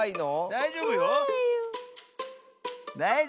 だいじょうぶよ。